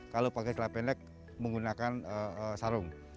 kalau pakai telah pendek menggunakan sarung